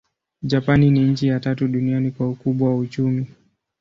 Japani ni nchi ya tatu duniani kwa ukubwa wa uchumi.